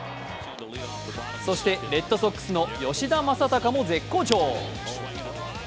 そして、レッドソックスの吉田正尚も絶好調。